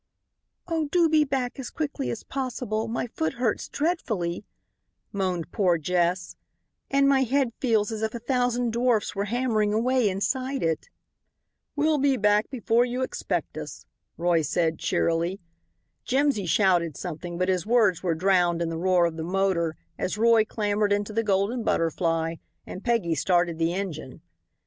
"Oh, do be back as quickly as possible, my foot hurts dreadfully," moaned poor Jess, "and my head feels as if a thousand dwarfs were hammering away inside it." "We'll be back before you expect us," Roy said, cheerily. Jimsy shouted something, but his words were drowned in the roar of the motor as Roy clambered into the Golden Butterfly and Peggy started the engine.